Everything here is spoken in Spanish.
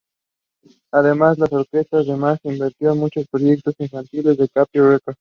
Además, la orquesta de May intervino en muchos proyectos infantiles de Capitol Records.